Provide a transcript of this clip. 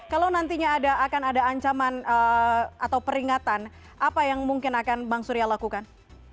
kalau nantinya akan ada ancaman atau peringatan apa yang mungkin akan bang surya lakukan